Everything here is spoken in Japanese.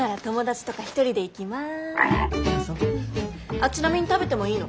あっちなみに食べてもいいの？